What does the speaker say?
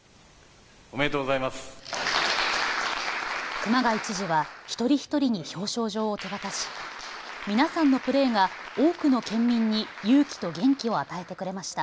熊谷知事は一人一人に表彰状を手渡し皆さんのプレーが多くの県民に勇気と元気を与えてくれました。